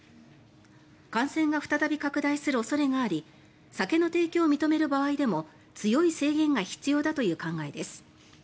感染が再び拡大する恐れがあり酒の提供を認める場合でも強い制限が必要だという考えです。